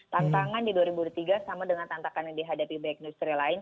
tantangan di dua ribu dua puluh tiga sama dengan tantangan yang dihadapi baik industri lain